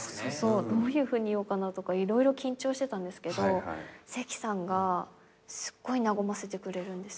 どういうふうに言おうかなとか色々緊張してたんですけど関さんがすっごい和ませてくれるんです。